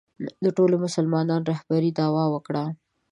د ټولو مسلمانانو رهبرۍ دعوا وکړه